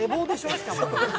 しかも。